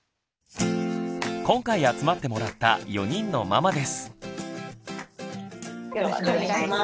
今回集まってもらった４人のママです。